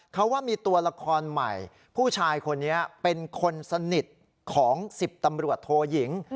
เขาว่ามีตัวละครใหม่ผู้ชายคนนี้เป็นคนสนิทของ๑๐ตำรวจโทยิง